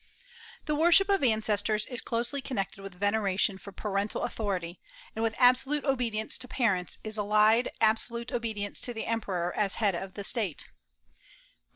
The worship of ancestors is closely connected with veneration for parental authority; and with absolute obedience to parents is allied absolute obedience to the Emperor as head of the State.